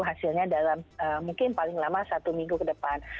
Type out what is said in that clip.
hasilnya dalam mungkin paling lama satu minggu ke depan